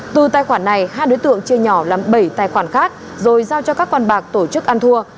từ tài khoản này hai đối tượng chia nhỏ làm bảy tài khoản khác rồi giao cho các con bạc tổ chức ăn thua